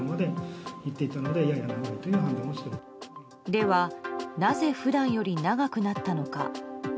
では、なぜ普段より長くなったのか。